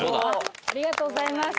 ありがとうございます。